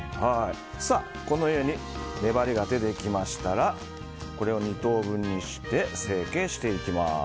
このように粘りが出てきましたらこれを２等分にして成形していきます。